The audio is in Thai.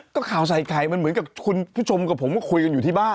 ก็ข่าวใส่ไข่มันเหมือนกับคุณผู้ชมกับผมก็คุยกันอยู่ที่บ้าน